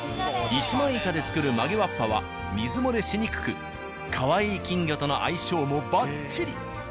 １枚板で作る曲げわっぱは水漏れしにくくかわいい金魚との相性もばっちり。